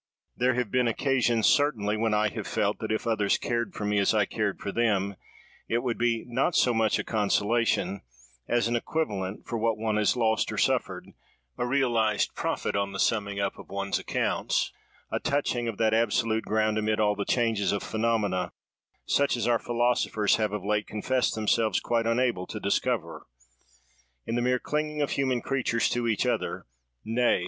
There have been occasions, certainly, when I have felt that if others cared for me as I cared for them, it would be, not so much a consolation, as an equivalent, for what one has lost or suffered: a realised profit on the summing up of one's accounts: a touching of that absolute ground amid all the changes of phenomena, such as our philosophers have of late confessed themselves quite unable to discover. In the mere clinging of human creatures to each other, nay!